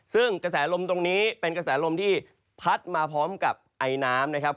ซึ่งกระแสลมตรงนี้เป็นกระแสลมที่พัดมาพร้อมกับไอน้ำนะครับ